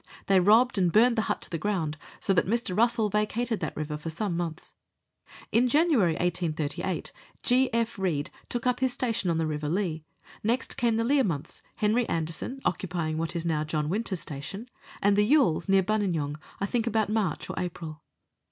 They robbed and burned the hut to the ground, so that Mr. Russell vacated that river for some months. In January 1838 G. F. Read took up his station on the River Leigh ; next came the Learmonths, Henry Anderson (occupying what is now John Winter's station), and the Yuilles, near Buninyong, I think about March or April.